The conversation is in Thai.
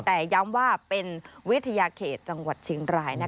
แต่ย้ำว่าเป็นวิทยาเขตจังหวัดเชียงราย